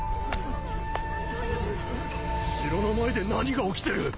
城の前で何が起きてる！？